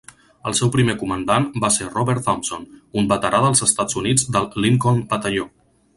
El seu primer comandant va ser Robert Thompson, un veterà dels Estats Units del Lincoln batalló.